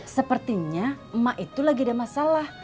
sepertinya emak itu lagi ada masalah